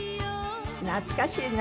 懐かしいな。